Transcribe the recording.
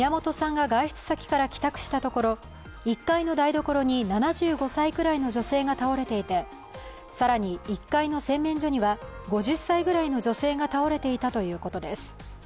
１階の台所に７５歳くらいの女性が倒れていて更に１階の洗面所には５０歳ぐらいの女性が倒れていたということです。